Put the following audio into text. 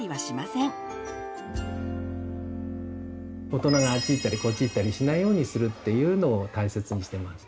大人があっち行ったりこっち行ったりしないようにするっていうのを大切にしてます。